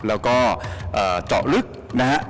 แล้วก็เจาะลึกนะฮะ